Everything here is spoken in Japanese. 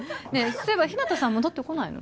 そういえば日向さん戻ってこないの？